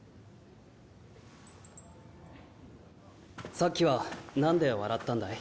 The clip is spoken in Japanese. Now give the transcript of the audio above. さっきはなんで笑ったんだい？